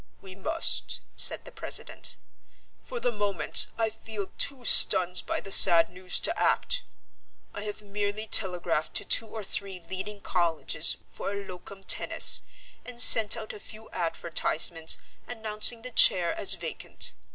"We must," said the president. "For the moment I feel too stunned by the sad news to act. I have merely telegraphed to two or three leading colleges for a locum tenens and sent out a few advertisements announcing the chair as vacant.